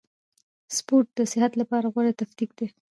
سپورټ د صحت له پاره غوره تفکیک دئ.